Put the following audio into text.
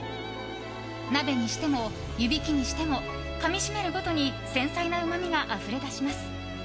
鍋にしても湯引きにしてもかみしめるごとに繊細なうまみがあふれ出します。